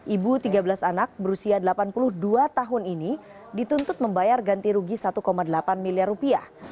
ibu tiga belas anak berusia delapan puluh dua tahun ini dituntut membayar ganti rugi satu delapan miliar rupiah